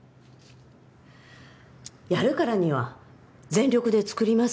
やるからには全力で作ります